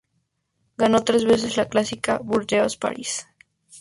Ganó tres veces la clásica Burdeos-Paris.